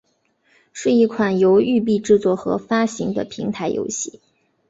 是一款由育碧制作和发行的平台游戏。